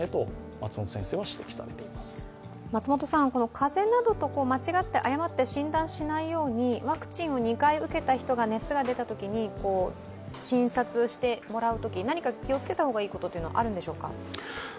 風邪などと間違って、誤って診断しないようにワクチンを２回受けた人が熱が出たときに診察してもらうとき、何か気をつけた方がいいことはあるんでしょうか？